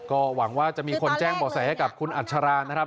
ก็หวังว่าจะมีคนแจ้งบ่อแสให้กับคุณอัชรานะครับ